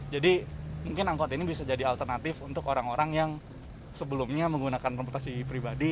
jadi mungkin angkot ini bisa jadi alternatif untuk orang orang yang sebelumnya menggunakan transportasi pribadi